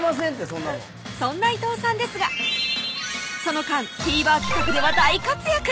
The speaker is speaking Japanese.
そんなのそんな伊藤さんですがその間ＴＶｅｒ企画では大活躍